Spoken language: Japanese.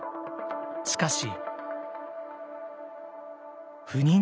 しかし。